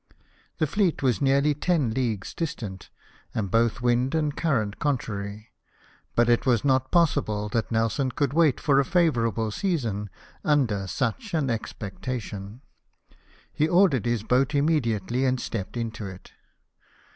The fleet was nearly ten leagues distant ; and both wind and current contrary ; but it was not possible 254 LIFE OF NELSON. that Nelson could wait for a favourable season under such an expectation. He ordered his boat imme diately and stepped into it.